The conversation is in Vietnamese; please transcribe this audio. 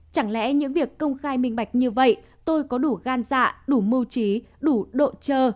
chẳng lẽ những việc công khai minh bạch như vậy tôi có đủ gan dạ đủ mưu trí đủ độ trơ